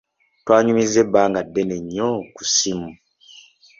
Twanyumizza ebbanga ddene nnyo ku ssimu.